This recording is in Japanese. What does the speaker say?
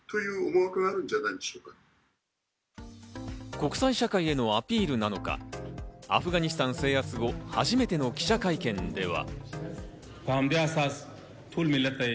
国際社会へのアピールなのか、アフガニスタン制圧後、初めての記者会見では。